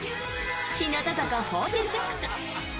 日向坂４６。